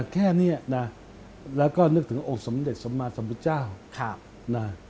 แค่นี้แล้วก็นึกถึงองค์สำเร็จสมมาสมบูรณ์เจ้า